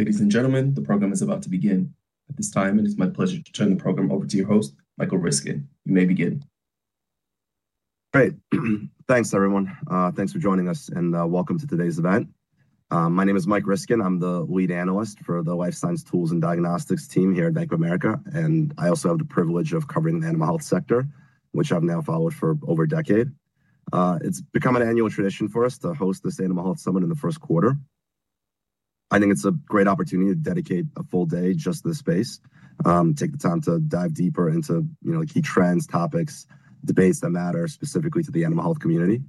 Ladies and gentlemen, the program is about to begin. At this time, it is my pleasure to turn the program over to your host, Michael Ryskin. You may begin. Great. Thanks, everyone. Thanks for joining us, and welcome to today's event. My name is Mike Ryskin. I'm the lead analyst for the Life Science Tools and Diagnostics team here at Bank of America, and I also have the privilege of covering the animal health sector, which I've now followed for over a decade. It's become an annual tradition for us to host this Animal Health Summit in the first quarter. I think it's a great opportunity to dedicate a full day just to the space, take the time to dive deeper into, you know, the key trends, topics, debates that matter specifically to the animal health community.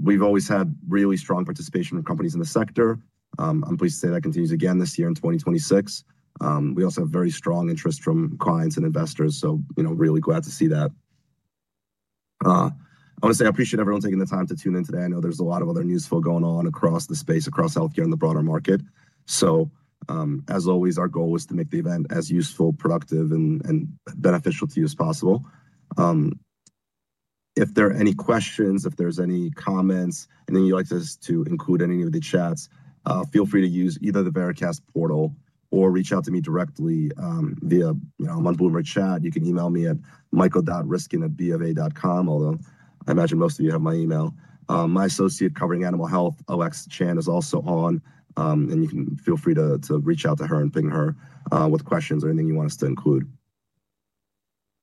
We've always had really strong participation from companies in the sector. I'm pleased to say that continues again this year in 2026 We also have very strong interest from clients and investors, you know, really glad to see that. I want to say I appreciate everyone taking the time to tune in today. I know there's a lot of other useful going on across the space, across healthcare and the broader market. As always, our goal is to make the event as useful, productive, and beneficial to you as possible. If there are any questions, if there's any comments, anything you'd like us to include any of the chats, feel free to use either the Veracast portal or reach out to me directly, via, you know, on Bloomberg Chat. You can email me at michael.ryskin@bofa.com, although I imagine most of you have my email. My associate covering animal health, Alex Chan, is also on, and you can feel free to reach out to her and ping her with questions or anything you want us to include.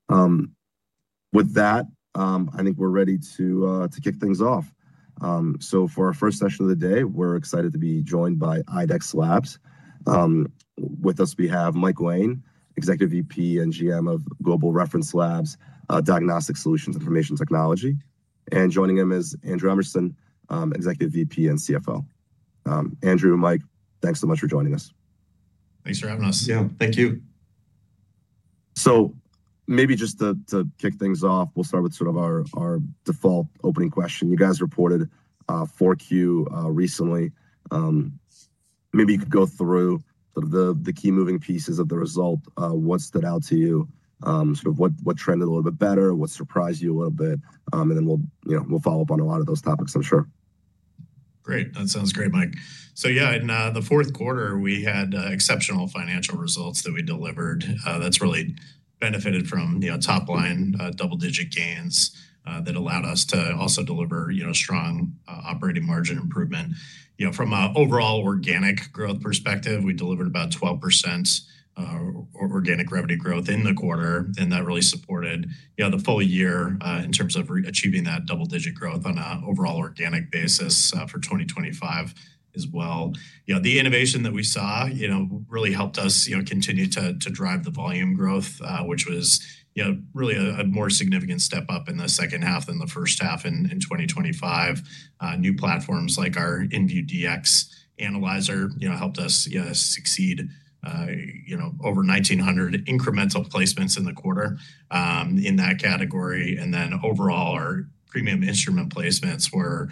With that, I think we're ready to kick things off. For our first session of the day, we're excited to be joined by IDEXX Labs. With us, we have Mike Lane, Executive VP and GM of Global Reference Laboratories, Diagnostic Solutions, Information Technology, and joining him is Andrew Emerson, Executive VP and CFO. Andrew and Mike, thanks so much for joining us. Thanks for having us. Yeah. Thank you. Maybe just to kick things off, we'll start with sort of our default opening question. You guys reported 4Q recently. Maybe you could go through sort of the key moving pieces of the result. What stood out to you? Sort of what trended a little bit better, what surprised you a little bit? We'll, you know, follow up on a lot of those topics, I'm sure. Great. That sounds great, Mike. Yeah, in the fourth quarter, we had exceptional financial results that we delivered, that's really benefited from, you know, top-line, double-digit gains, that allowed us to also deliver, you know, strong, operating margin improvement. You know, from a overall organic growth perspective, we delivered about 12% organic revenue growth in the quarter, and that really supported, you know, the full year, in terms of achieving that double-digit growth on a overall organic basis, for 2025 as well. You know, the innovation that we saw, you know, really helped us, you know, continue to drive the volume growth, which was, you know, really a more significant step up in the second half than the first half in 2025. New platforms like our inVue Dx Analyzer, you know, helped us, you know, succeed, you know, over 1,900 incremental placements in the quarter, in that category. Overall, our premium instrument placements were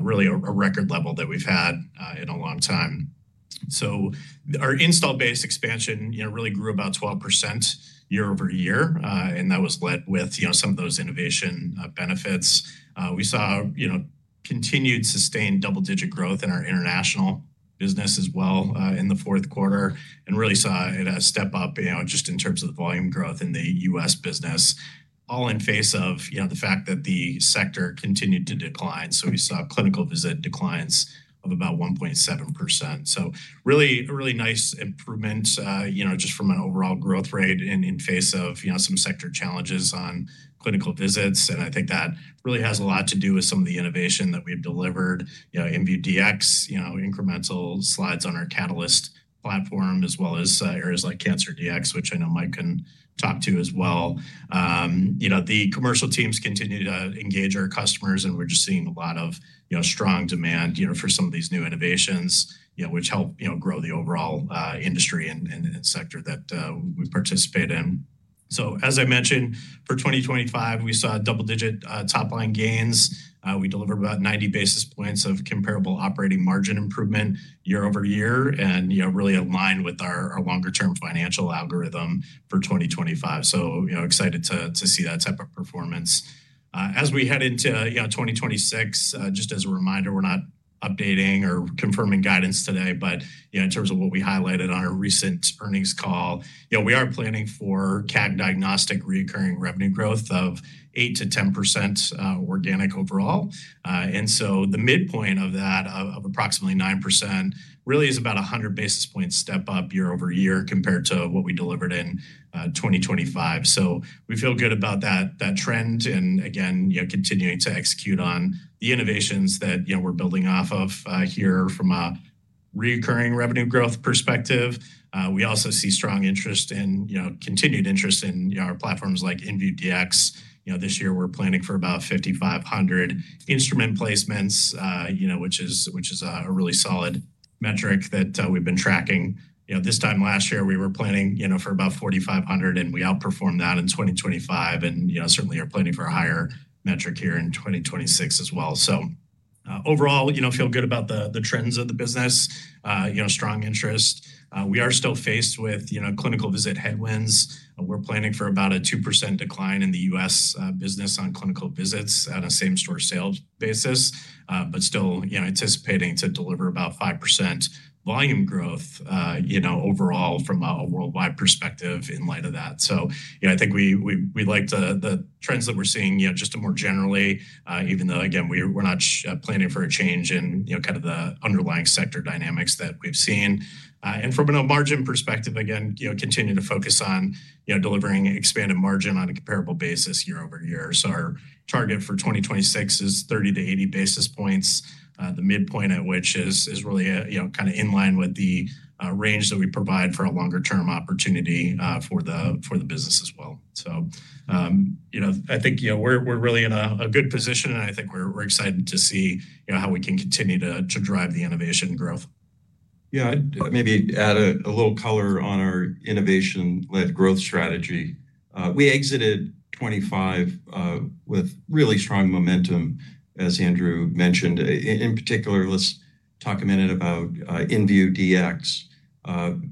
really a record level that we've had in a long time. Our install base expansion, you know, really grew about 12% year-over-year. That was led with, you know, some of those innovation benefits. We saw, you know, continued sustained double-digit growth in our international business as well, in the fourth quarter, and really saw it a step up, you know, just in terms of the volume growth in the U.S. business, all in face of, you know, the fact that the sector continued to decline. We saw clinical visit declines of about 1.7%. Really, a really nice improvement, you know, just from an overall growth rate in face of, you know, some sector challenges on clinical visits. I think that really has a lot to do with some of the innovation that we've delivered. You know, inVue Dx, you know, incremental slides on our Catalyst platform, as well as, areas like Cancer Dx, which I know Mike can talk to as well. You know, the commercial teams continue to engage our customers, and we're just seeing a lot of, you know, strong demand, you know, for some of these new innovations, you know, which help, you know, grow the overall industry and sector that we participate in. As I mentioned, for 2025, we saw double-digit top-line gains. We delivered about 90 basis points of comparable operating margin improvement year over year, and, you know, really aligned with our longer-term financial algorithm for 2025. You know, excited to see that type of performance. As we head into, you know, 2026, just as a reminder, we're not updating or confirming guidance today, but, you know, in terms of what we highlighted on our recent earnings call, you know, we are planning for CAG Diagnostic recurring revenue growth of 8%-10%, organic overall. The midpoint of that, of approximately 9%, really is about 100 basis points step up year over year compared to what we delivered in 2025. We feel good about that trend, and again, you know, continuing to execute on the innovations that, you know, we're building off of, here from a recurring revenue growth perspective. We also see strong interest in, you know, continued interest in our platforms like inVue Dx. This year we're planning for about 5,500 instrument placements, you know, which is a really solid metric that we've been tracking. This time last year, we were planning, you know, for about 4,500, and we outperformed that in 2025 and, you know, certainly are planning for a higher metric here in 2026 as well. Overall, you know, feel good about the trends of the business, you know, we are still faced with, you know, clinical visit headwinds. We're planning for about a 2% decline in the U.S. business on clinical visits at a same-store sales basis, but still, you know, anticipating to deliver about 5% volume growth, you know, overall from a worldwide perspective in light of that. I think we like the trends that we're seeing, you know, just more generally, even though, again, we're not planning for a change in, you know, kind of the underlying sector dynamics that we've seen. From a margin perspective, again, you know, continue to focus on, you know, delivering expanded margin on a comparable basis year-over-year. Our target for 2026 is 30-80 basis points, the midpoint at which is really, you know, kinda in line with the range that we provide for a longer-term opportunity for the business as well. I think, you know, we're really in a good position, and I think we're excited to see, you know, how we can continue to drive the innovation growth. Yeah. I'd maybe add a little color on our innovation-led growth strategy. We exited 2025 with really strong momentum, as Andrew mentioned. In particular, let's talk a minute about inVue Dx.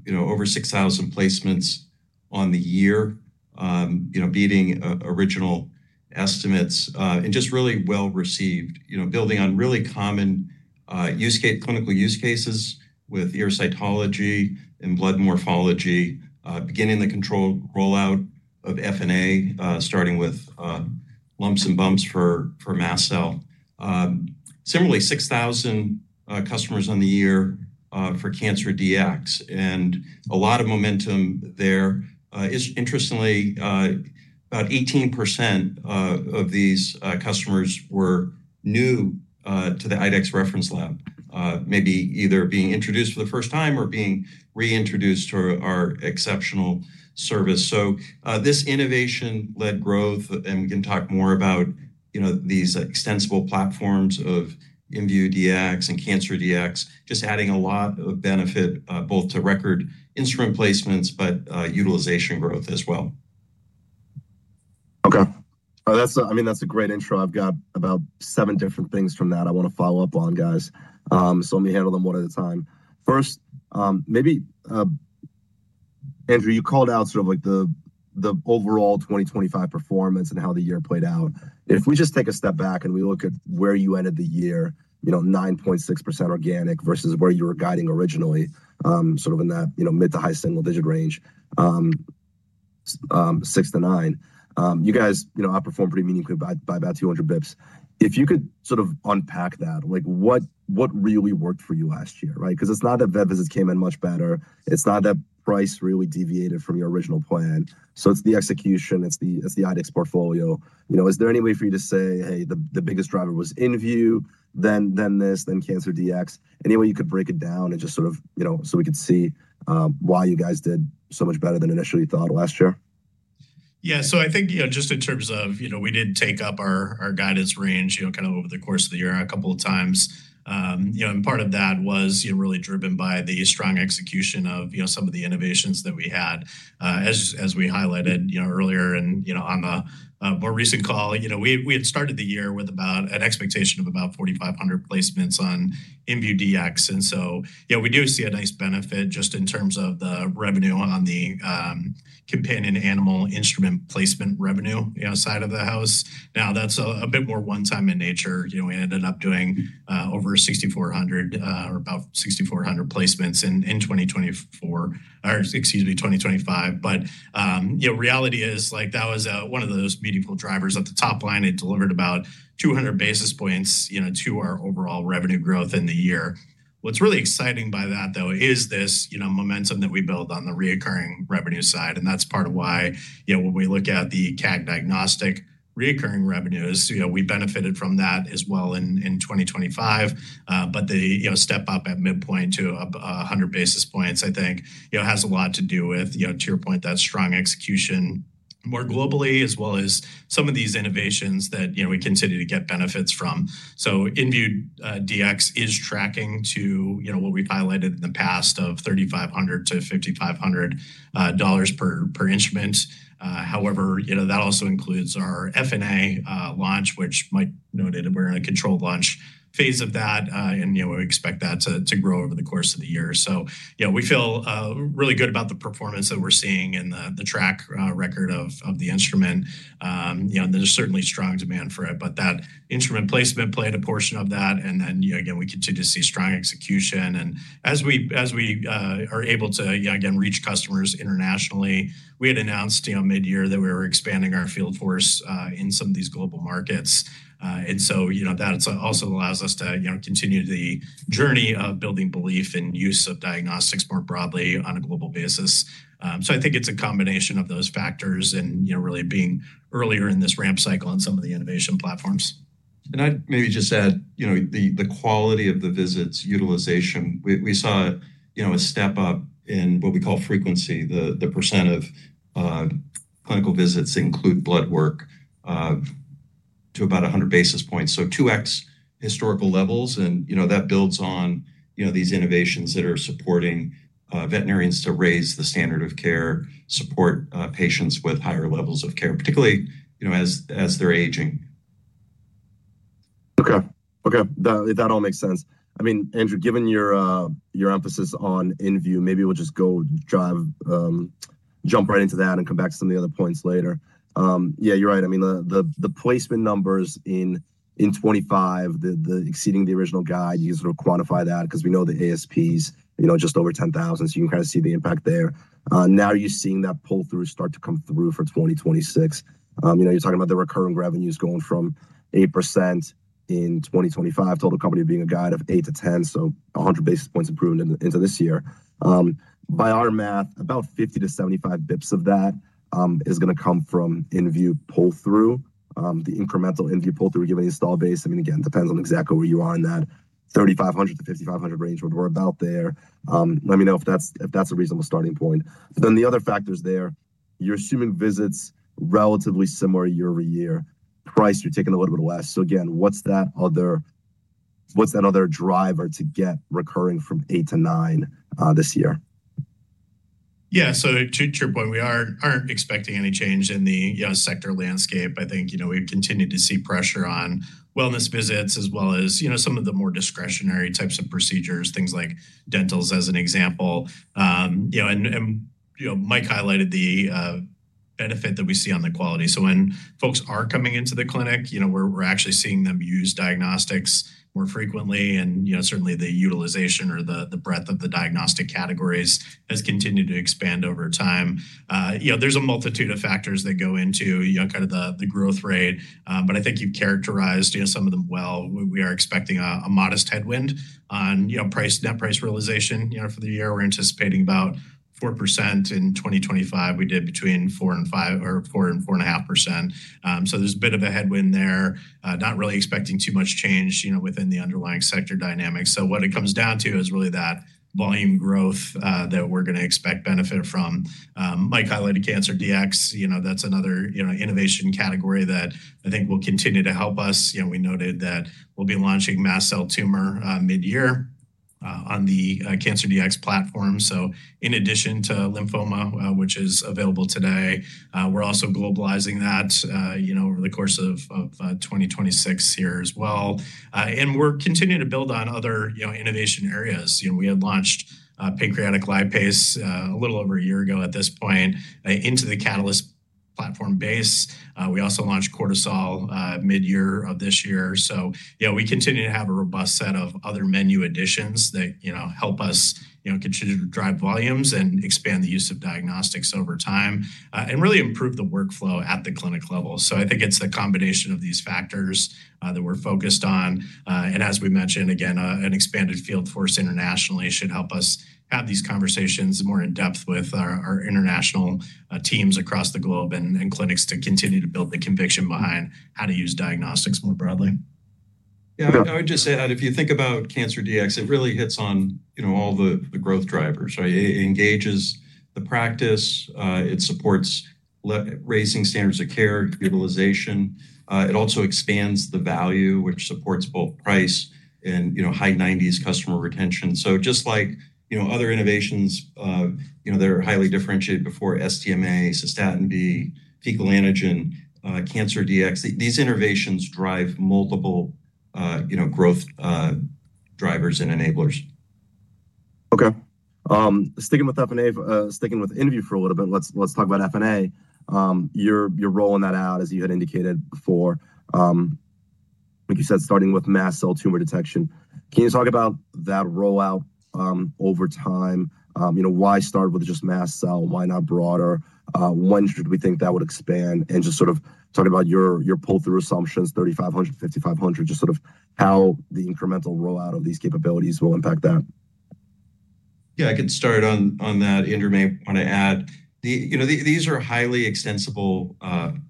You know, over 6,000 placements on the year, you know, beating original estimates and just really well-received. You know, building on really common clinical use cases with ear cytology and blood morphology, beginning the controlled rollout of FNA, starting with lumps and bumps for mast cell. Similarly, 6,000 customers on the year for Cancer Dx, a lot of momentum there. Interestingly, about 18% of these customers were new to the IDEXX Reference Laboratories. Maybe either being introduced for the first time or being reintroduced to our exceptional service. This innovation-led growth, and we can talk more about, you know, these extensible platforms of inVue Dx and Cancer Dx, just adding a lot of benefit, both to record instrument placements, but, utilization growth as well. Okay. Oh, that's a, I mean, that's a great intro. I've got about seven different things from that I wanna follow up on, guys. Let me handle them one at a time. First, maybe, Andrew, you called out sort of like the overall 2025 performance and how the year played out. If we just take a step back and we look at where you ended the year, you know, 9.6% organic versus where you were guiding originally, sort of in that, you know, mid-to-high single-digit range, 6-9. You guys, you know, outperformed pretty meaningfully by about 200 basis points. If you could sort of unpack that, like, what really worked for you last year, right? 'Cause it's not that vet visits came in much better, it's not that price really deviated from your original plan, so it's the execution, it's the IDEXX portfolio. You know, is there any way for you to say, "Hey, the biggest driver was inVue Dx, then this, then Cancer Dx" any way you could break it down and just sort of, you know, so we could see why you guys did so much better than initially thought last year? I think, you know, just in terms of, you know, we did take up our guidance range, you know, kind of over the course of the year a couple of times. Part of that was, you know, really driven by the strong execution of, you know, some of the innovations that we had. As we highlighted, you know, earlier and, you know, on a more recent call, you know, we had started the year with about an expectation of about 4,500 placements on inVue Dx. We do see a nice benefit just in terms of the revenue on the companion animal instrument placement revenue, you know, side of the house. That's a bit more one time in nature. You know, we ended up doing, over 6,400, or about 6,400 placements in 2024, or excuse me, 2025. You know, reality is, like, that was one of those beautiful drivers at the top line. It delivered about 200 basis points, you know, to our overall revenue growth in the year. What's really exciting by that, though, is this, you know, momentum that we build on the recurring revenue side. That's part of why, you know, when we look at the CAG diagnostic recurring revenues, you know, we benefited from that as well in 2025. The, you know, step up at midpoint to up 100 basis points, I think, you know, has a lot to do with, you know, to your point, that strong execution more globally, as well as some of these innovations that, you know, we continue to get benefits from. inVue Dx is tracking to, you know, what we've highlighted in the past of $3,500-$5,500 per instrument. However, you know, that also includes our FNA launch, which Mike noted we're in a controlled launch phase of that, and, you know, we expect that to grow over the course of the year. You know, we feel really good about the performance that we're seeing and the track record of the instrument. You know, there's certainly strong demand for it, but that instrument placement played a portion of that, and then, you know, again, we continue to see strong execution. As we are able to, again, reach customers internationally, we had announced, you know, midyear that we were expanding our field force in some of these global markets. You know, that's also allows us to, you know, continue the journey of building belief and use of diagnostics more broadly on a global basis. I think it's a combination of those factors and, you know, really being earlier in this ramp cycle on some of the innovation platforms. I'd maybe just add, you know, the quality of the visits, utilization, we saw, you know, a step up in what we call frequency, the percent of clinical visits include blood work, to about 100 basis points, so 2x historical levels. You know, that builds on, you know, these innovations that are supporting veterinarians to raise the standard of care, support patients with higher levels of care, particularly, you know, as they're aging. Okay, okay, that all makes sense. I mean, Andrew, given your emphasis on inVue Dx, maybe we'll just go drive, jump right into that and come back to some of the other points later. Yeah, you're right. I mean, the, the placement numbers in 2025, the exceeding the original guide, you sort of quantify that because we know the ASPs, you know, just over $10,000, so you can kind of see the impact there. Now you're seeing that pull-through start to come through for 2026. You know, you're talking about the recurring revenues going from 8% in 2025, total company being a guide of 8%-10%, so 100 basis points improved into this year. By our math, about 50-75 basis points of that, is going to come from inVue Dx pull-through. The incremental inVue Dx pull-through, given the install base, I mean, again, depends on exactly where you are in that $3,500-$5,500 range, but we're about there. Let me know if that's, if that's a reasonable starting point. The other factors there, you're assuming visits relatively similar year-over-year. Price, you're taking a little bit less. Again, what's that other driver to get recurring from 8%-9%, this year? Yeah. To your point, we aren't expecting any change in the sector landscape. I think, you know, we've continued to see pressure on wellness visits as well as, you know, some of the more discretionary types of procedures, things like dentals, as an example. You know, and, you know, Mike highlighted the benefit that we see on the quality. When folks are coming into the clinic, you know, we're actually seeing them use diagnostics more frequently and, you know, certainly the utilization or the breadth of the diagnostic categories has continued to expand over time. You know, there's a multitude of factors that go into, you know, kind of the growth rate. I think you've characterized, you know, some of them well. We are expecting a modest headwind on, you know, price, net price realization. You know, for the year, we're anticipating about 4%. In 2025, we did between 4% and 5% or 4% and 4.5%. There's a bit of a headwind there. Not really expecting too much change, you know, within the underlying sector dynamics. What it comes down to is really that volume growth, that we're gonna expect benefit from. Mike highlighted Cancer Dx. You know, that's another, you know, innovation category that I think will continue to help us. You know, we noted that we'll be launching mast cell tumor, mid-year on the Cancer Dx platform. In addition to lymphoma, which is available today, we're also globalizing that, you know, over the course of 2026 here as well. We're continuing to build on other, you know, innovation areas. You know, we had launched Pancreatic Lipase a little over a year ago at this point, into the Catalyst platform base. We also launched Cortisol mid-year of this year. Yeah, we continue to have a robust set of other menu additions that, you know, help us, you know, continue to drive volumes and expand the use of diagnostics over time, and really improve the workflow at the clinic level. I think it's the combination of these factors that we're focused on. As we mentioned, again, an expanded field force internationally should help us have these conversations more in depth with our international teams across the globe and clinics to continue to build the conviction behind how to use diagnostics more broadly. Yeah, I would just say that if you think about Cancer Dx, it really hits on, you know, all the growth drivers. It engages the practice, it supports raising standards of care, utilization. It also expands the value which supports both price and, you know, high 90s customer retention. Just like, you know, other innovations, you know, that are highly differentiated before SDMA, Cystatin B, Fecal Dx antigen, Cancer Dx, these innovations drive multiple, you know, growth drivers and enablers. Sticking with FNA, sticking with inVue Dx for a little bit, let's talk about FNA. You're rolling that out, as you had indicated before, like you said, starting with mast cell tumor detection. Can you talk about that rollout, over time? you know, why start with just mast cell? Why not broader? When should we think that would expand? Just sort of talk about your pull-through assumptions, $3,500, $5,500, just sort of how the incremental rollout of these capabilities will impact that. Yeah, I can start on that. Andrew may wanna add. You know, these are highly extensible,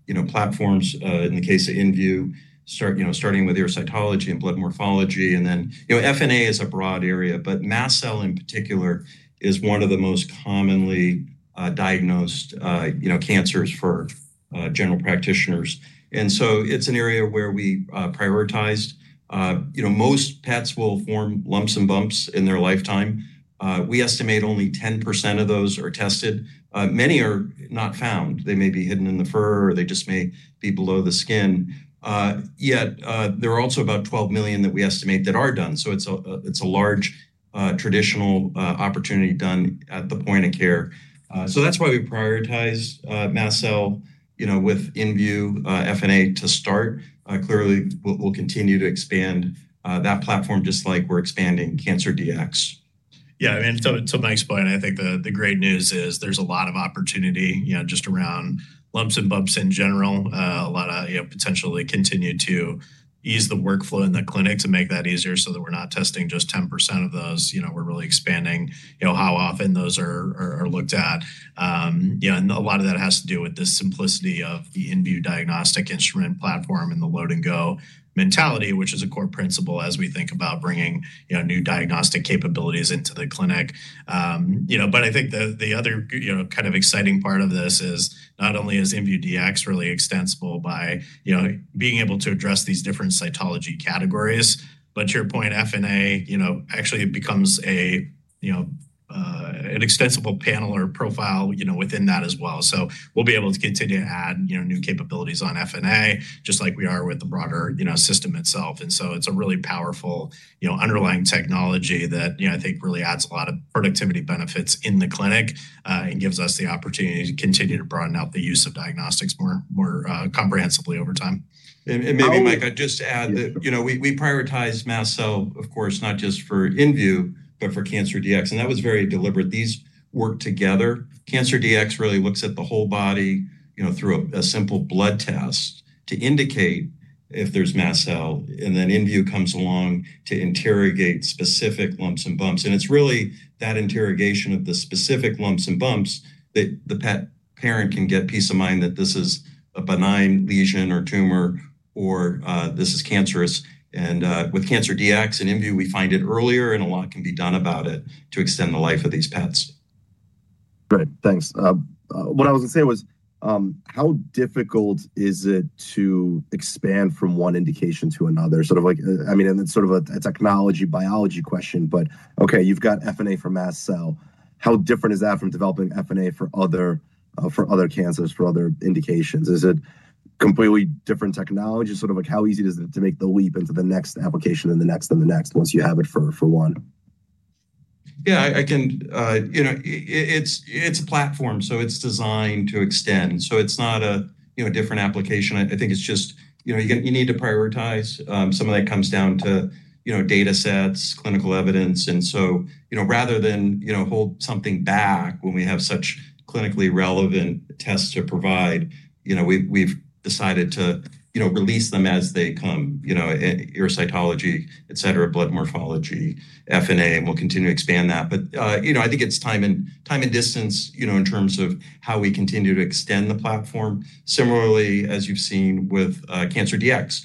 you know, platforms, in the case of inVue Dx, start, you know, starting with your cytology and blood morphology, and then, you know, FNA is a broad area, but mast cell, in particular, is one of the most commonly diagnosed, you know, cancers for general practitioners. It's an area where we prioritized. You know, most pets will form lumps and bumps in their lifetime. We estimate only 10% of those are tested. Many are not found. They may be hidden in the fur, or they just may be below the skin. Yet, there are also about 12 million that we estimate that are done. It's a large, traditional, opportunity done at the point of care. That's why we prioritize mast cell, you know, with inVue Dx FNA to start. Clearly, we'll continue to expand that platform, just like we're expanding Cancer Dx. Yeah, to Mike's point, I think the great news is there's a lot of opportunity, you know, just around lumps and bumps in general. A lot of, you know, potentially continue to ease the workflow in the clinic to make that easier so that we're not testing just 10% of those. You know, we're really expanding, you know, how often those are looked at. You know, a lot of that has to do with the simplicity of the inVue Dx diagnostic instrument platform and the load and go mentality, which is a core principle as we think about bringing, you know, new diagnostic capabilities into the clinic. You know, I think the other you know, kind of exciting part of this is, not only is inVue Dx really extensible by, you know, being able to address these different cytology categories, but to your point, FNA, you know, actually it becomes a, you know, an extensible panel or profile, you know, within that as well. We'll be able to continue to add, you know, new capabilities on FNA, just like we are with the broader, you know, system itself. It's a really powerful, you know, underlying technology that, you know, I think really adds a lot of productivity benefits in the clinic, and gives us the opportunity to continue to broaden out the use of diagnostics more, more comprehensively over time. Maybe, Mike, I'd just add that, you know, we prioritize mast cell, of course, not just for InVue, but for Cancer Dx, and that was very deliberate. These work together. Cancer Dx really looks at the whole body, you know, through a simple blood test to indicate if there's mast cell, and then InVue comes along to interrogate specific lumps and bumps. It's really that interrogation of the specific lumps and bumps that the pet parent can get peace of mind that this is a benign lesion or tumor, or this is cancerous. With Cancer Dx and InVue, we find it earlier and a lot can be done about it to extend the life of these pets. Great. Thanks. What I was gonna say was, how difficult is it to expand from one indication to another? Sort of like, I mean, and it's sort of a technology biology question, but okay, you've got FNA for mast cell. How different is that from developing FNA for other, for other cancers, for other indications? Is it completely different technology? Sort of like, how easy is it to make the leap into the next application and the next and the next, once you have it for one? I can, you know, it's a platform, so it's designed to extend. It's not a, you know, different application. I think it's just, you know, you need to prioritize. Some of that comes down to, you know, data sets, clinical evidence, rather than, you know, hold something back when we have such clinically relevant tests to provide, you know, we've decided to, you know, release them as they come, you know, urocytology, et cetera, blood morphology, FNA, and we'll continue to expand that. You know, I think it's time and time and distance, you know, in terms of how we continue to extend the platform. Similarly, as you've seen with Cancer Dx,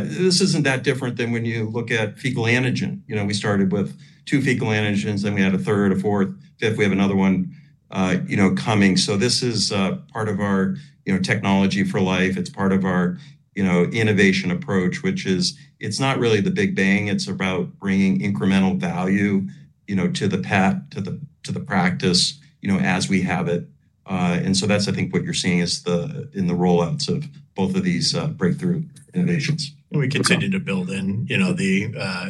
this isn't that different than when you look at Fecal antigen. You know, we started with two fecal antigens, then we had a third, a fourth, fifth, we have another one, you know, coming. This is, part of our, you know, Technology for Life. It's part of our, you know, innovation approach, which is it's not really the big bang, it's about bringing incremental value, you know, to the pet, to the practice, you know, as we have it. That's, I think, what you're seeing is the, in the rollouts of both of these, breakthrough innovations. We continue to build in, you know, the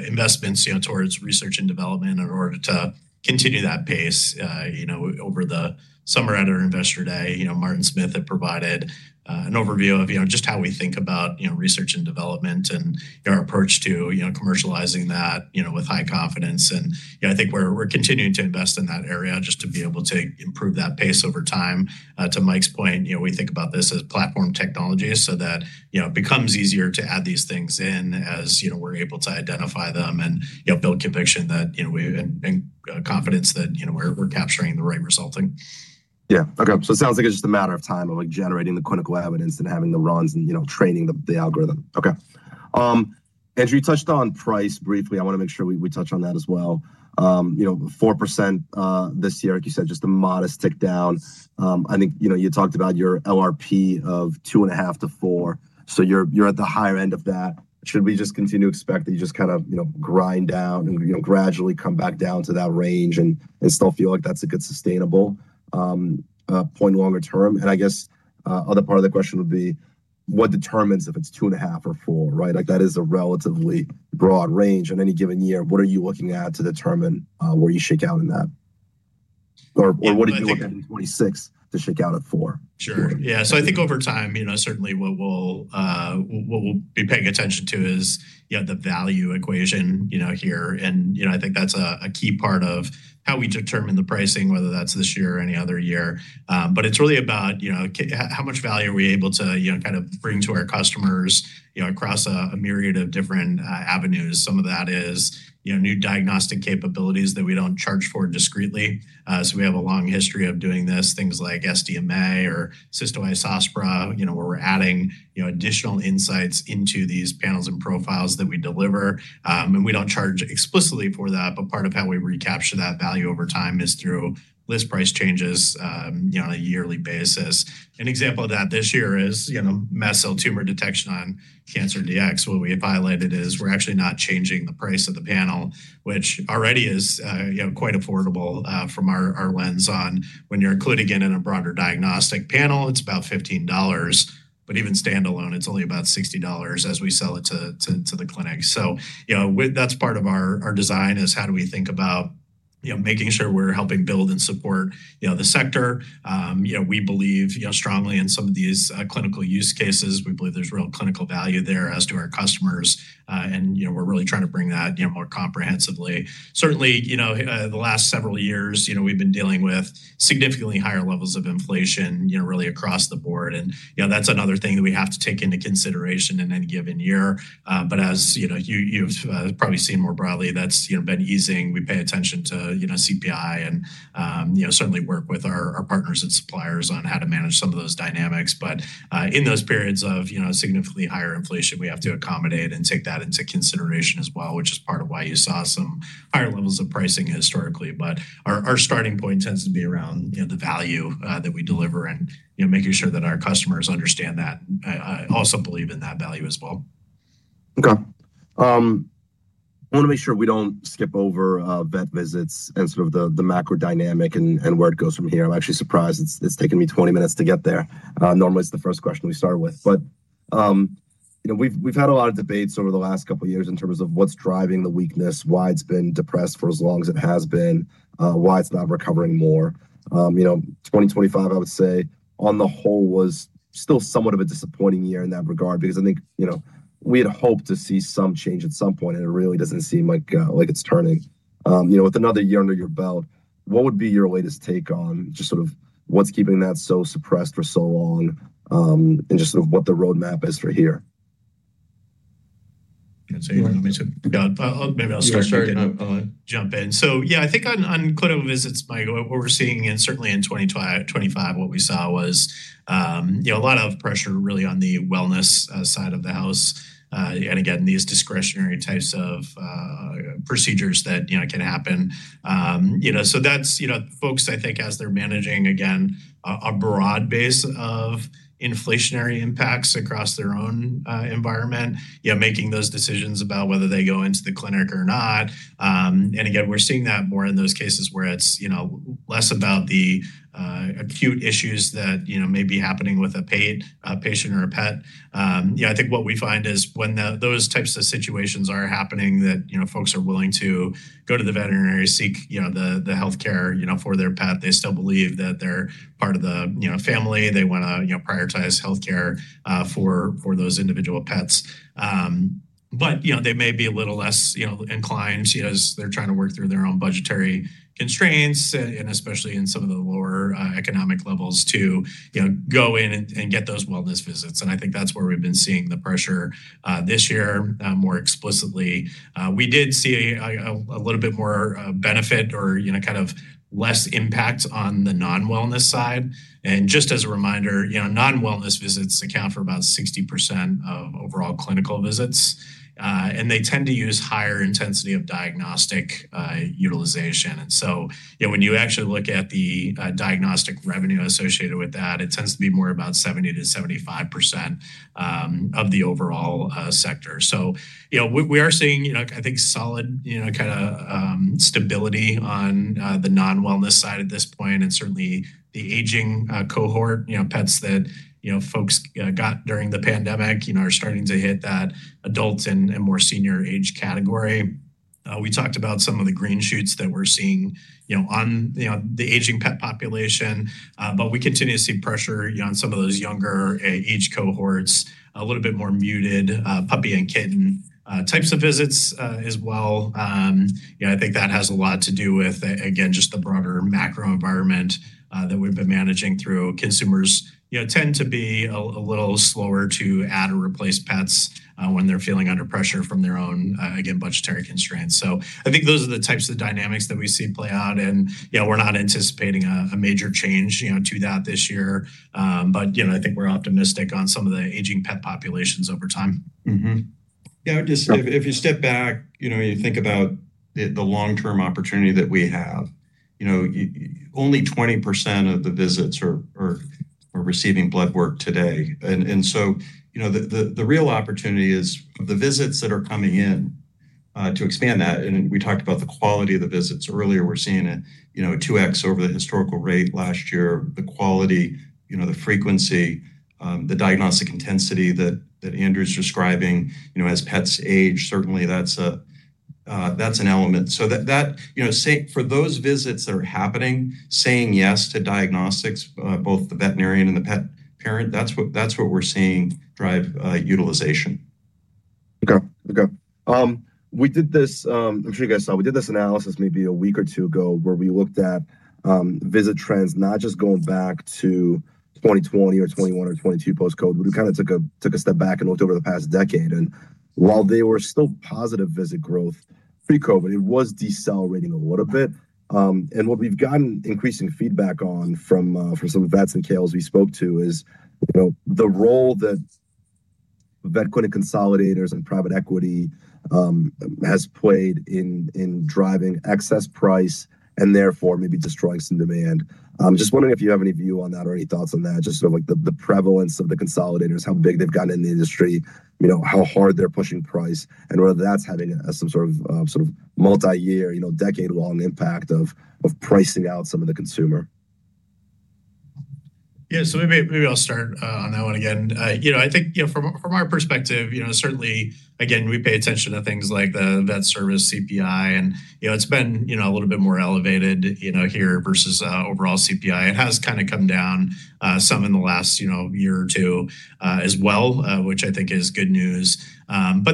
investments, you know, towards research and development in order to continue that pace. You know, over the summer, at our Investor Day, you know, Martin Smith had provided an overview of, you know, just how we think about, you know, research and development and our approach to, you know, commercializing that, you know, with high confidence. You know, I think we're continuing to invest in that area just to be able to improve that pace over time. To Mike's point, you know, we think about this as platform technology so that, you know, it becomes easier to add these things in as, you know, we're able to identify them and, you know, build conviction that, you know, we, and confidence that, you know, we're capturing the right resulting Yeah. Okay. It sounds like it's just a matter of time of, like, generating the clinical evidence and having the runs and, you know, training the algorithm. Okay. Andrew, you touched on price briefly. I want to make sure we touch on that as well. You know, 4% this year, like you said, just a modest tick down. I think, you know, you talked about your LRP of 2.5%-4%, so you're at the higher end of that. Should we just continue to expect that you just kind of, you know, grind down and, you know, gradually come back down to that range and still feel like that's a good sustainable point longer term? I guess, other part of the question would be: What determines if it's 2.5% or 4%, right? Like, that is a relatively broad range in any given year. What are you looking at to determine, where you shake out in that? Or what do you look at in 2026 to shake out at 4%? Sure. Yeah. I think over time, you know, certainly what we'll, what we'll be paying attention to is, you know, the value equation, you know, here. I think that's a key part of how we determine the pricing, whether that's this year or any other year. It's really about, you know, how much value are we able to, you know, kind of bring to our customers, you know, across a myriad of different avenues. Some of that is, you know, new diagnostic capabilities that we don't charge for discretely. We have a long history of doing this, things like SDMA or Cystatin B, you know, where we're adding, you know, additional insights into these panels and profiles that we deliver. We don't charge explicitly for that, but part of how we recapture that value over time is through list price changes, you know, on a yearly basis. An example of that this year is, you know, mast cell tumor detection on Cancer Dx. What we have highlighted is we're actually not changing the price of the panel, which already is, you know, quite affordable from our lens on. When you're including it in a broader diagnostic panel, it's about $15, but even standalone, it's only about $60 as we sell it to the clinic. You know, that's part of our design, is how do we think about, you know, making sure we're helping build and support, you know, the sector? You know, we believe, you know, strongly in some of these clinical use cases. We believe there's real clinical value there, as do our customers, and, you know, we're really trying to bring that, you know, more comprehensively. Certainly, you know, the last several years, you know, we've been dealing with significantly higher levels of inflation, you know, really across the board. That's another thing that we have to take into consideration in any given year. As, you know, you've probably seen more broadly, that's, you know, been easing. We pay attention to, you know, CPI and, you know, certainly work with our partners and suppliers on how to manage some of those dynamics. In those periods of, you know, significantly higher inflation, we have to accommodate and take that into consideration as well, which is part of why you saw some higher levels of pricing historically. Our starting point tends to be around, you know, the value, that we deliver and, you know, making sure that our customers understand that also believe in that value as well. Okay. I want to make sure we don't skip over, vet visits and sort of the macro dynamic and where it goes from here. I'm actually surprised it's taken me 20 minutes to get there. Normally, it's the first question we start with. You know, we've had a lot of debates over the last couple of years in terms of what's driving the weakness, why it's been depressed for as long as it has been, why it's not recovering more. You know, 2025, I would say, on the whole, was still somewhat of a disappointing year in that regard because I think, you know, we had hoped to see some change at some point, and it really doesn't seem like it's turning. You know, with another year under your belt, what would be your latest take on just sort of what's keeping that so suppressed for so long, and just sort of what the roadmap is for here? I'd say, you want me to? Yeah, I'll, maybe I'll. Yeah, start, go on. Jump in. Yeah, I think on clinical visits, Mike, what we're seeing, and certainly in 2025, what we saw was, you know, a lot of pressure really on the wellness side of the house. Again, these discretionary types of procedures that, you know, can happen. You know, so that's, you know, folks, I think as they're managing, again, a broad base of inflationary impacts across their own environment. Yeah, making those decisions about whether they go into the clinic or not. Again, we're seeing that more in those cases where it's, you know, less about the acute issues that, you know, may be happening with a patient or a pet. Yeah, I think what we find is when those types of situations are happening that, you know, folks are willing to go to the veterinarian, seek, you know, the healthcare, you know, for their pet. They still believe that they're part of the, you know, family. They wanna, you know, prioritize healthcare for those individual pets. They may be a little less, you know, inclined as they're trying to work through their own budgetary constraints, and especially in some of the lower economic levels, to, you know, go in and get those wellness visits. I think that's where we've been seeing the pressure this year more explicitly. We did see a little bit more benefit or, you know, kind of less impact on the non-wellness side. Just as a reminder, you know, non-wellness visits account for about 60% of overall clinical visits, and they tend to use higher intensity of diagnostic utilization. When you actually look at the diagnostic revenue associated with that, it tends to be more about 70%-75% of the overall sector. We are seeing, you know, I think solid, you know, kinda, stability on the non-wellness side at this point, and certainly the aging cohort, you know, pets that, you know, folks got during the pandemic, you know, are starting to hit that adult and more senior age category. We talked about some of the green shoots that we're seeing, you know, on, you know, the aging pet population. We continue to see pressure, you know, on some of those younger age cohorts, a little bit more muted, puppy and kitten, types of visits, as well. You know, I think that has a lot to do with again, just the broader macro environment that we've been managing through. Consumers, you know, tend to be a little slower to add or replace pets, when they're feeling under pressure from their own, again, budgetary constraints. I think those are the types of dynamics that we see play out, and, you know, we're not anticipating a major change, you know, to that this year. You know, I think we're optimistic on some of the aging pet populations over time Yeah, just if you step back, you know, you think about the long-term opportunity that we have. You know, only 20% of the visits are receiving blood work today. So, you know, the real opportunity is the visits that are coming in to expand that. We talked about the quality of the visits earlier. We're seeing, you know, 2x over the historical rate last year. The quality, you know, the frequency, the diagnostic intensity that Andrew's describing, you know, as pets age, certainly that's an element. That, you know, say, for those visits that are happening, saying yes to diagnostics, both the veterinarian and the pet parent, that's what we're seeing drive utilization. Okay. Okay. We did this, I'm sure you guys saw, we did this analysis maybe a week or two ago, where we looked at visit trends, not just going back to 2020 or 2021 or 2022 post-COVID. We kind of took a step back and looked over the past decade. While they were still positive visit growth pre-COVID, it was decelerating a little bit. What we've gotten increasing feedback on from some vets and KOLs we spoke to is, you know, the role that vet clinic consolidators and private equity has played in driving excess price and therefore maybe destroying some demand. Just wondering if you have any view on that or any thoughts on that, just sort of like the prevalence of the consolidators, how big they've gotten in the industry, you know, how hard they're pushing price, and whether that's having some sort of, sort of multi-year, you know, decade-long impact of pricing out some of the consumer. Yeah. Maybe I'll start on that one again. You know, I think, you know, from our perspective, you know, certainly, again, we pay attention to things like the vet services CPI, and, you know, it's been, you know, a little bit more elevated, you know, here versus overall CPI. It has kind of come down some in the last, you know, year or two as well, which I think is good news.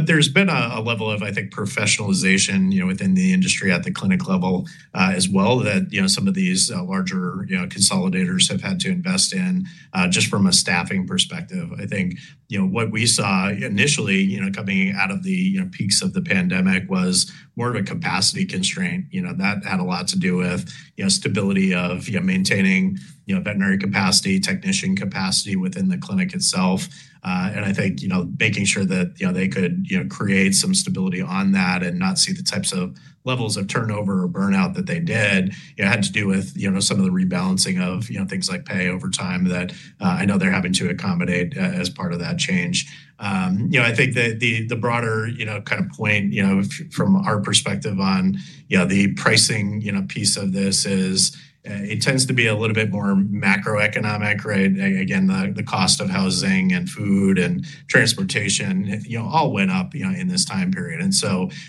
There's been a level of, I think, professionalization, you know, within the industry at the clinic level as well, that, you know, some of these larger, you know, consolidators have had to invest in just from a staffing perspective. I think, you know, what we saw initially, you know, coming out of the, you know, peaks of the pandemic was more of a capacity constraint. You know, that had a lot to do with, you know, stability of, you know, maintaining, you know, veterinary capacity, technician capacity within the clinic itself. I think, you know, making sure that, you know, they could, you know, create some stability on that and not see the types of levels of turnover or burnout that they did. It had to do with, you know, some of the rebalancing of, you know, things like pay over time that I know they're having to accommodate as part of that change. You know, I think the, the broader, you know, kind of point, you know, from our perspective on, you know, the pricing, you know, piece of this is, it tends to be a little bit more macroeconomic, right? Again, the cost of housing and food and transportation, you know, all went up, you know, in this time period.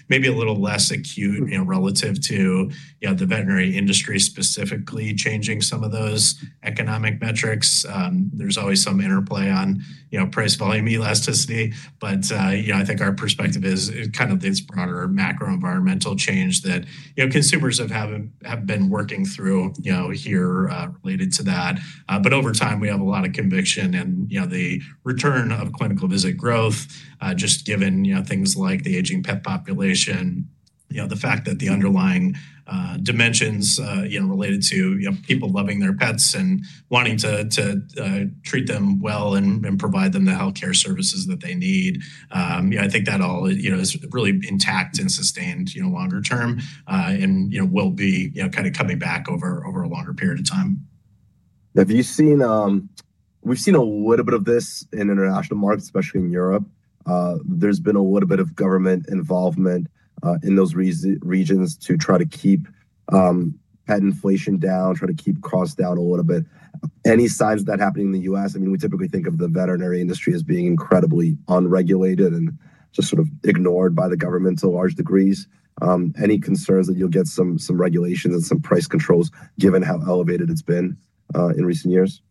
Maybe a little less acute, you know, relative to, you know, the veterinary industry, specifically changing some of those economic metrics. There's always some interplay on, you know, price, volume, elasticity, but, you know, I think our perspective is kind of this broader macro environmental change that, you know, consumers have been working through, you know, here, related to that. Over time, we have a lot of conviction and, you know, the return of clinical visit growth, just given, you know, things like the aging pet population. You know, the fact that the underlying dimensions, you know, related to, you know, people loving their pets and wanting to treat them well and provide them the healthcare services that they need. Yeah, I think that all, you know, is really intact and sustained, you know, longer term, and, you know, will be, you know, kind of coming back over a longer period of time. Have you seen, we've seen a little bit of this in international markets, especially in Europe. There's been a little bit of government involvement in those regions to try to keep pet inflation down, try to keep costs down a little bit. Any signs of that happening in the U.S.? I mean, we typically think of the veterinary industry as being incredibly unregulated and just sort of ignored by the government to large degrees. Any concerns that you'll get some regulation and some price controls, given how elevated it's been in recent years?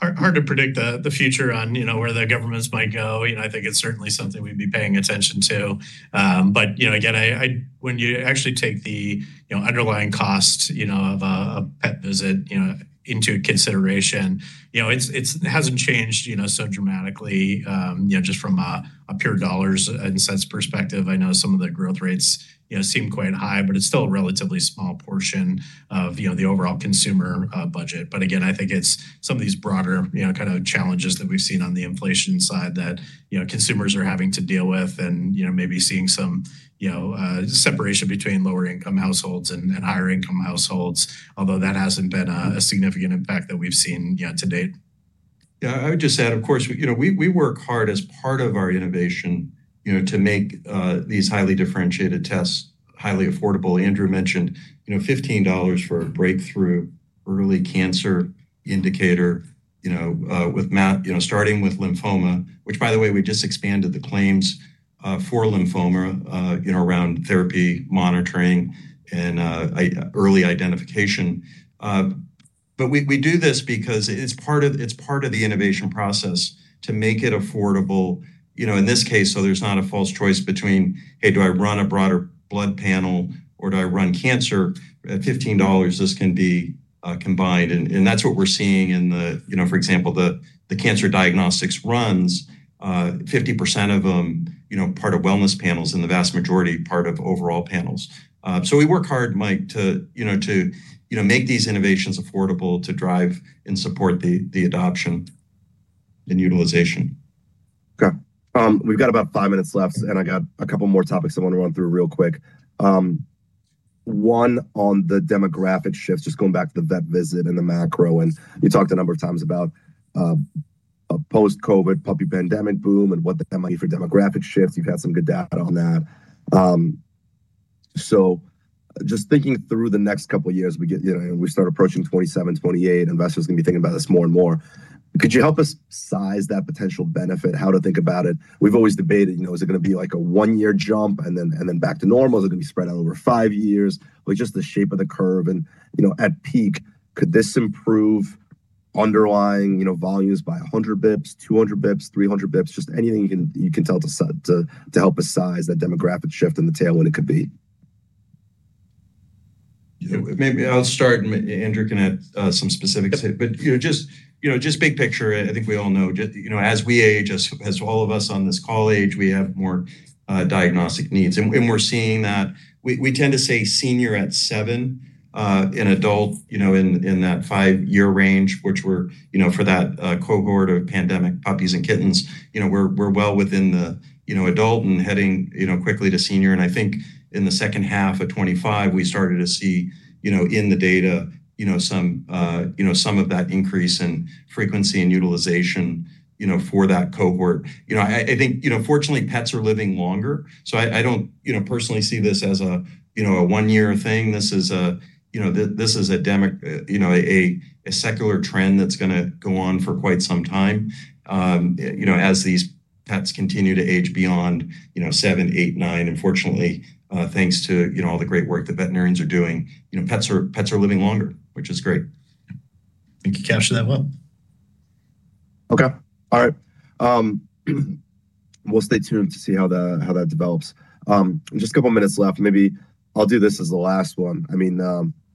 Hard, hard to predict, the future on, you know, where the governments might go. You know, I think it's certainly something we'd be paying attention to. But, you know, again, when you actually take the, you know, underlying cost, you know, of a pet visit, you know, into consideration, you know, it hasn't changed, you know, so dramatically, you know, just from a pure dollars and cents perspective. I know some of the growth rates, you know, seem quite high, but it's still a relatively small portion of, you know, the overall consumer budget. Again, I think it's some of these broader, you know, kind of challenges that we've seen on the inflation side that, you know, consumers are having to deal with and, you know, separation between lower-income households and higher-income households, although that hasn't been a significant impact that we've seen yet to date. Yeah, I would just add, of course, you know, we work hard as part of our innovation, you know, to make these highly differentiated tests highly affordable. Andrew mentioned, you know, $15 for a breakthrough early cancer indicator, you know, starting with lymphoma, which, by the way, we just expanded the claims for lymphoma, you know, around therapy, monitoring, and early identification. We do this because it's part of the innovation process to make it affordable, you know, in this case, so there's not a false choice between: Hey, do I run a broader blood panel or do I run cancer? At $15, this can be combined. That's what we're seeing in the, you know, for example, the cancer diagnostics runs, 50% of them, you know, part of wellness panels and the vast majority, part of overall panels. We work hard, Mike, to, you know, make these innovations affordable, to drive and support the adoption and utilization. Okay. We've got about five minutes left, and I got a couple more topics I want to run through real quick. One, on the demographic shifts, just going back to the vet visit and the macro, you talked a number of times about a post-COVID puppy pandemic boom and what that might do for demographic shifts. You've had some good data on that. Just thinking through the next couple of years, we get, you know, we start approaching 2027, 2028, investors are going to be thinking about this more and more. Could you help us size that potential benefit, how to think about it? We've always debated, you know, is it going to be like a one-year jump and then back to normal? Is it going to be spread out over five years? Just the shape of the curve and, you know, at peak, could this improve underlying, you know, volumes by 100 basis points, 200 basis points, 300 basis points? Just anything you can tell to help us size that demographic shift and the tailwind it could be. Yeah. Maybe I'll start. Andrew can add some specifics. You know, just, you know, just big picture, I think we all know, just, you know, as we age, as all of us on this call age, we have more diagnostic needs. We're seeing that. We tend to say senior at seven, an adult, you know, in that five-year range, which we're, you know, for that cohort of pandemic puppies and kittens, you know, we're well within the, you know, adult and heading, you know, quickly to senior. I think in the second half of 2025, we started to see, you know, in the data, you know, some, you know, some of that increase in frequency and utilization, you know, for that cohort. You know, I think, you know, fortunately, pets are living longer, so I don't, you know, personally see this as a, you know, a one-year thing. This is a, you know, this is a, you know, a secular trend that's gonna go on for quite some time. You know, as these pets continue to age beyond, you know, seven, eight, nine, and fortunately, thanks to, you know, all the great work that veterinarians are doing, you know, pets are living longer, which is great. I think you captured that well. Okay. All right, we'll stay tuned to see how that develops. Just a couple of minutes left, and maybe I'll do this as the last one. I mean,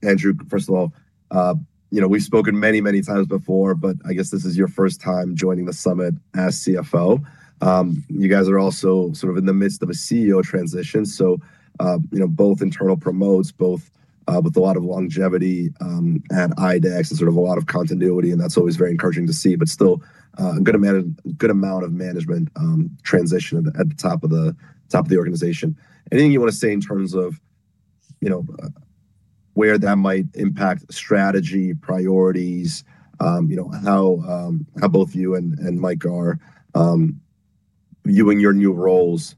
Andrew, first of all, you know, we've spoken many, many times before, but I guess this is your first time joining the summit as CFO. You guys are also sort of in the midst of a CEO transition, so, you know, both internal promotes, both with a lot of longevity at IDEXX and sort of a lot of continuity, and that's always very encouraging to see, but still, a good amount of management transition at the top of the organization. Anything you want to say in terms of, you know, where that might impact strategy, priorities, you know, how both you and Mike are viewing your new roles,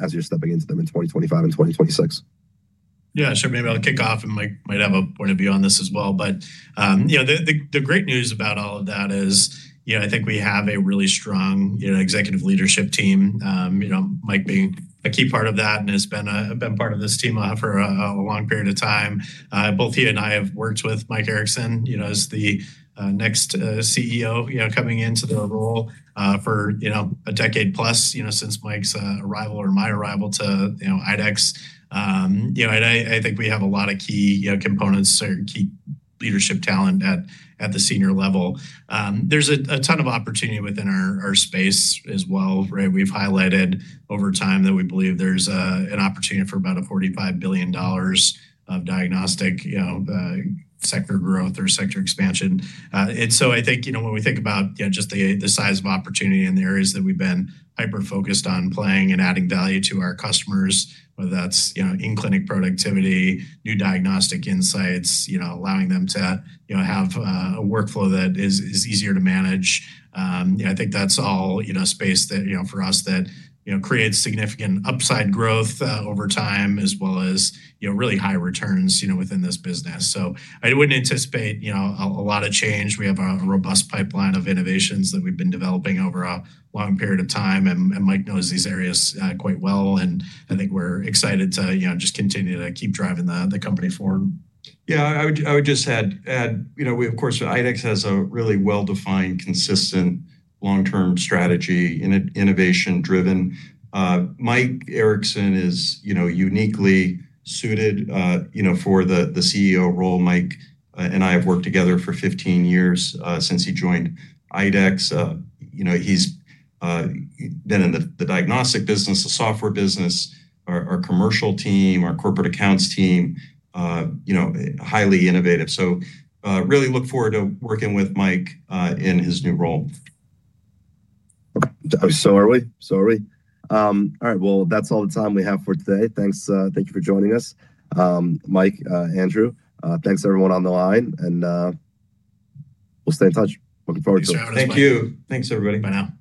as you're stepping into them in 2025 and 2026? Yeah, sure. Maybe I'll kick off, and Mike might have a point of view on this as well. The great news about all of that is, you know, I think we have a really strong, you know, executive leadership team. You know, Mike being a key part of that, and has been part of this team for a long period of time. Both he and I have worked with Mike Erickson, you know, as the next CEO, you know, coming into the role, for, you know, a decade plus, you know, since Mike's arrival or my arrival to, you know, IDEXX. You know, and I think we have a lot of key, you know, components or key leadership talent at the senior level. There's a ton of opportunity within our space as well, right? We've highlighted over time that we believe there's an opportunity for about a $45 billion of diagnostic sector growth or sector expansion. I think, when we think about just the size of opportunity and the areas that we've been hyper-focused on playing and adding value to our customers, whether that's in-clinic productivity, new diagnostic insights, allowing them to have a workflow that is easier to manage, I think that's all space that for us that creates significant upside growth over time, as well as really high returns within this business. I wouldn't anticipate a lot of change. We have a robust pipeline of innovations that we've been developing over a long period of time, and Mike knows these areas, quite well, and I think we're excited to, you know, just continue to keep driving the company forward. Yeah, I would just add, you know, we, of course, IDEXX has a really well-defined, consistent long-term strategy, innovation driven. Mike Erickson is, you know, uniquely suited, you know, for the CEO role. Mike and I have worked together for 15 years since he joined IDEXX. You know, he's been in the diagnostic business, the software business, our commercial team, our corporate accounts team, you know, highly innovative. Really look forward to working with Mike in his new role. All right, well, that's all the time we have for today. Thanks, thank you for joining us, Mike, Andrew. Thanks, everyone on the line, and, we'll stay in touch. Looking forward to it. Thank you. Thanks, everybody. Bye now.